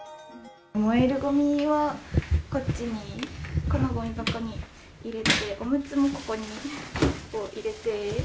燃えるごみはこっちに、このごみ箱に入れて、おむつもここに入れて。